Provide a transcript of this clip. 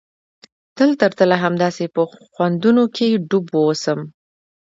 تل تر تله همداسې په خوندونو کښې ډوب واوسم.